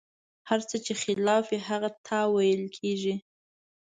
هر څه چې خلاف وي، هغه تاویل کېږي.